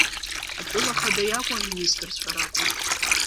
Атәыла ахада иакәу аминистрцәа ракәу?